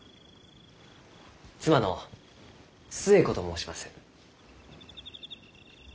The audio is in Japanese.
妻の寿恵子と申します。